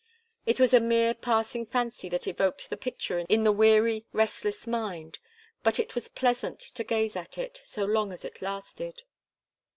It was a mere passing fancy that evoked the picture in the weary, restless mind, but it was pleasant to gaze at it, so long as it lasted.